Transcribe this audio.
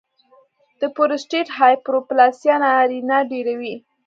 د پروسټیټ هایپرپلاسیا نارینه ډېروي.